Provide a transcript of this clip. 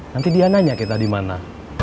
nanti dia nanya kita dimana